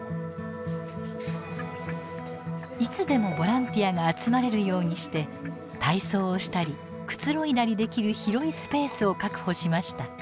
いつでもボランティアが集まれるようにして体操をしたりくつろいだりできる広いスペースを確保しました。